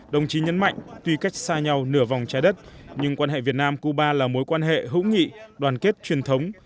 đồng chí nhấn mạnh tuy cách xa nhau nửa vòng trái đất nhưng quan hệ việt nam cuba là mối quan hệ hữu nghị đoàn kết truyền thống